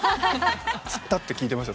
突っ立って聞いてました。